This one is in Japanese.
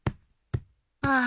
ああ。